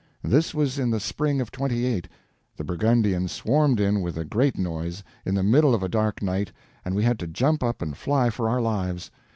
This was in the spring of '28. The Burgundians swarmed in with a great noise, in the middle of a dark night, and we had to jump up and fly for our lives.